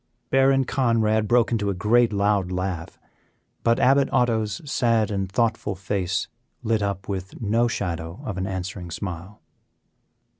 Baron Conrad broke into a great, loud laugh, but Abbot Otto's sad and thoughtful face lit up with no shadow of an answering smile.